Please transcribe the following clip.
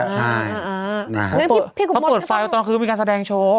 ใช่เขาเปิดไฟตอนคือมีการแสดงโชว์